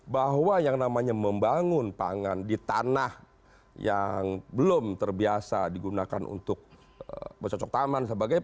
bahwa yang namanya membangun pangan di tanah yang belum terbiasa digunakan untuk bercocok taman